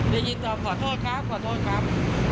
เป็นอย่างต่อขอโทษครับขอโทษครับ